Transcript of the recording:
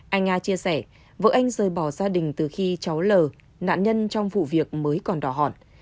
anh nga chia sẻ vợ anh rời bỏ gia đình từ khi cháu l nạn nhân trong vụ việc mới còn đỏ hòn